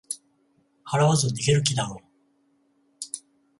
払わず逃げる気だろう